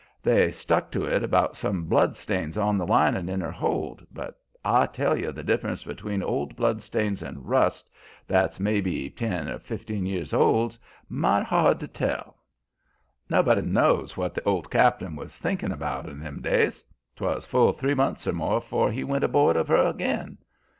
They stuck to it about some blood stains on the linin' in her hold, but I tell you the difference between old blood stains and rust that's may be ten or fifteen years old's might' hard to tell. "Nobody knows what the old cap'n was thinkin' about in them days. 'Twas full three month or more 'fore he went aboard of her ag'in.